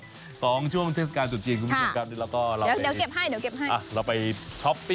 เป็นที่สองช่วงเทศกาลตุรกินครับค่ะก็เราก็เดี๋ยวเดี๋ยวเก็บให้เดี๋ยวเก็บให้